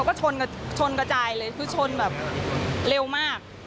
มันชนกระจายเลยคือชนแบบเร็วมาก